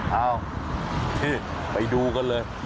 เอ้านี่ไปดูกันเลย